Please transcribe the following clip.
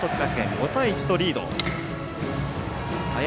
５対１とリード。